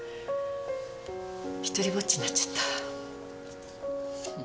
一人ぼっちになっちゃった。